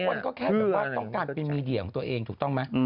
ทุกคนก็แค่ต้องการเป็นมีเดียของตัวเองถูกต้องไหม